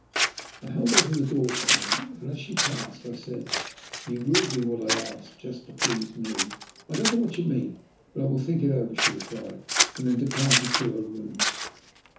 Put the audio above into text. I held open the door for her, and as she passed I said "You will do what I ask? Just to please me?" "I don't know what you mean, but I will think it over," she replied, and then departed to her room.